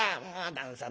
旦さん